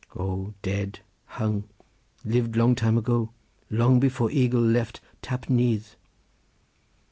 "Oh, dead, hung. Lived long time ago; long before eagle left Tap Nyth."